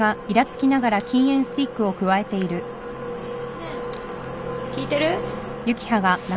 ねえ聞いてる？